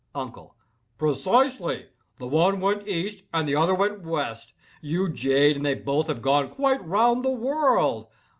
UNCLE. "Precisely!—the one went east and the other went west, you jade, and they both have gone quite round the world.